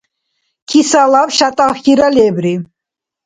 Кисалаб шятӀахьира лебри.